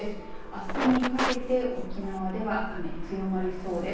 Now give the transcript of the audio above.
あすにかけて沖縄では雨強まりそうです。